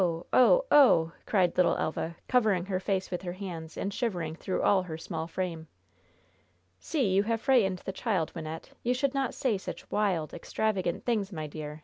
oh! oh!" cried little Elva, covering her face with her hands and shivering through all her small frame. "See, you have frightened the child, Wynnette! You should not say such wild, extravagant things, my dear!"